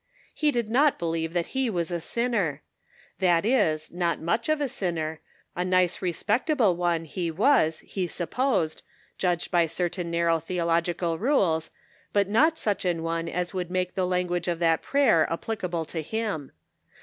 He did not believe that he was a sinner ! That is, not much of a sinner ; a nice respectable one he was, he supposed, judged by. certain narrow theological rules, but not .such an one as would make the language of that prayer applicable to him.